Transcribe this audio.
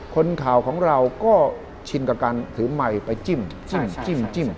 คนข่าวของเราก็ชินกับการถือไมค์ไปจิ้มจิ้ม